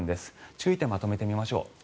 注意点をまとめてみましょう。